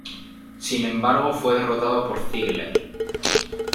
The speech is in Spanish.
Sin embargo fue derrotado por Ziggler.